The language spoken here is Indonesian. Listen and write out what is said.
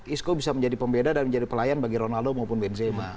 isco bisa menjadi pembeda dan menjadi pelayan bagi ronaldo maupun benzema